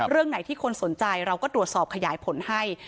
เรื่องไหนที่คนสนใจเราก็ตรวจสอบขยายผลให้